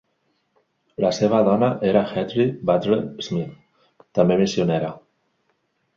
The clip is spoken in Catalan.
La seva dona era Hetty Butler Smith, també missionera.